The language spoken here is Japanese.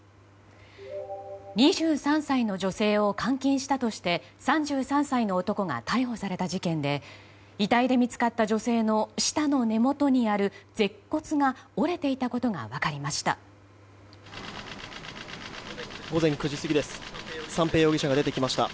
２３歳の女性を監禁したとして３３歳の男が逮捕された事件で遺体で見つかった女性の舌の根元にある舌骨が折れていたことが分かりました。